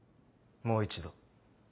もう一度。